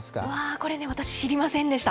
これね、私知りませんでした。